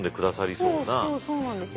そうそうそうなんですよ。